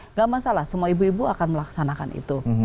nggak masalah semua ibu ibu akan melaksanakan itu